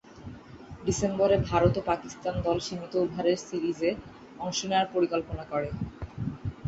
ডিসেম্বরে ভারত ও পাকিস্তান দল সীমিত ওভারের সিরিজে অংশ নেয়ার পরিকল্পনা করে।